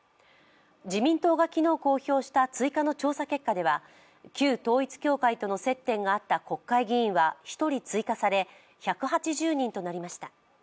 自民党が昨日公表した追加の調査結果では旧統一教会との接点があった国会議員は１人追加され１８０人となりました。